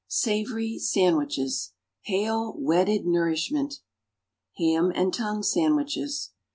SAVORY SANDWICHES. "Hail, wedded nourishment!" =Ham and Tongue Sandwiches.